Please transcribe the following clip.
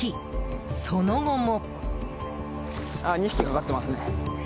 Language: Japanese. その後も。